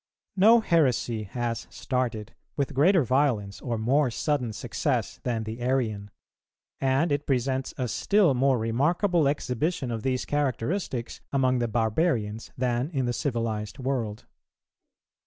_ No heresy has started with greater violence or more sudden success than the Arian; and it presents a still more remarkable exhibition of these characteristics among the barbarians than in the civilized world.